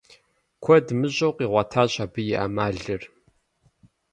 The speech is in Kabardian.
Куэд мыщӏэу къигъуэтащ абы и ӏэмалыр.